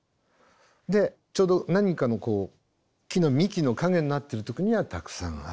でちょうど何かのこう木の幹の陰になってるとこにはたくさんある。